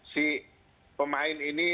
si pemain ini